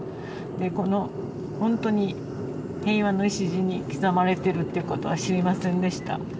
このほんとに平和の礎に刻まれてるっていうことは知りませんでした。